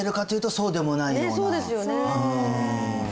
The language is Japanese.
そうですよね